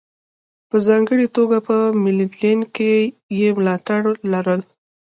په ځانګړې توګه په منډلینډ کې یې ملاتړي لرل.